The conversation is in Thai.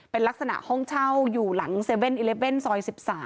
เป็นลักษณะห้องเช่าอยู่หลัง๗๑๑ซอย๑๓